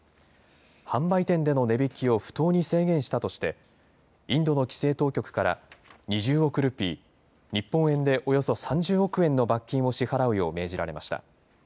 販売店での値引きを不当に制限したとして、インドの規制当局から２０億ルピー、日本円でおよそ３０億円の罰金を支払うよう命じられました。